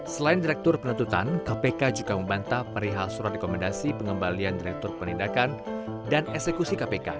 selain direktur penuntutan kpk juga membantah perihal surat rekomendasi pengembalian direktur penindakan dan eksekusi kpk